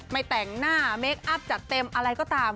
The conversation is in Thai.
แต่งหน้าเมคอัพจัดเต็มอะไรก็ตาม